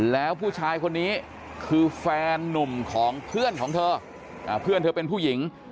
แล้วผู้ชายคนนี้คือแฟนนุ่มของเพื่อนของเธอเพื่อนเธอเป็นผู้หญิง